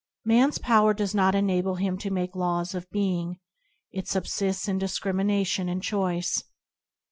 Man's power does not enable him to make laws of being; it subsists in discrimination and choice.